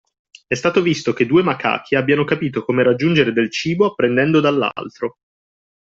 È stato visto che due macachi abbiano capito come raggiungere del cibo apprendendo dall’altro